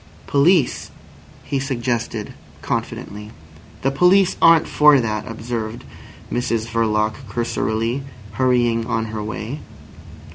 "Police," he suggested confidently. "The police aren't for that," observed Mrs Verloc cursorily, hurrying on her way.